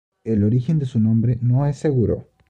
El origen de su nombre no es seguro.